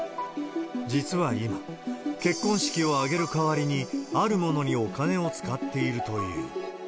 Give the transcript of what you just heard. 実は今、結婚式を挙げる代わりに、あるものにお金を使っているという。